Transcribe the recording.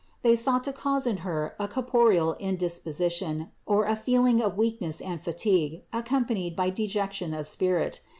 They sought to cause in Her a corporeal indis position, or a feeling of weakness and fatigue, accom panied by dejection of spirit.